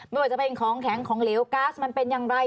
ไม่ว่าจะเป็นของแข็งของเหลวก๊าซมันเป็นอย่างไร